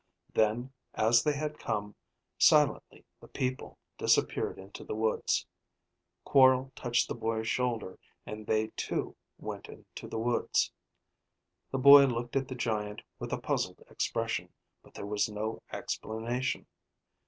Then, as they had come, silently the people disappeared into the woods. Quorl touched the boy's shoulder and they too went into the woods. The boy looked at the giant with a puzzled expression, but there was no explanation.